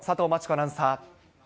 アナウンサー。